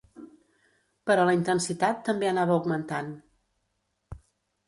Però la intensitat també anava augmentant.